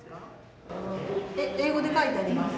英語で書いてあります。